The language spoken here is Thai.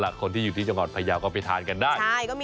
คนที่อยู่ที่จังหวัดพยาวก็ไปทานกันได้